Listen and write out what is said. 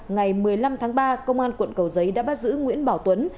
ngày một mươi năm tháng ba công an quận cầu giấy đã bắt giữ nguyễn bảo tuấn